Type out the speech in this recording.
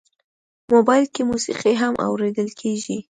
موبایل کې موسیقي هم اورېدل کېږي.